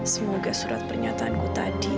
semoga surat pernyataanku tadi